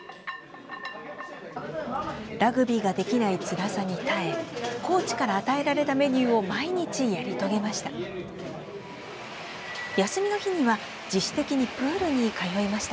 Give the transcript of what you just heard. ラグビーができないつらさに耐えコーチから与えられたメニューを毎日やり遂げました。